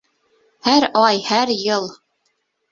Һәр ай, һәр йыл